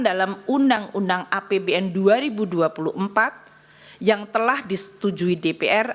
dalam undang undang apbn dua ribu dua puluh empat yang telah disetujui dpr